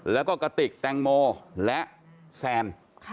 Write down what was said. แล้วก็กระติกแตงโมและแซน